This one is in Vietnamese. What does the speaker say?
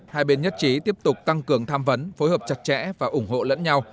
hai bên nhất trí tiếp tục tăng cường tham vấn phối hợp chặt chẽ và ủng hộ lẫn nhau